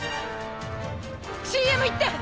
ＣＭいって！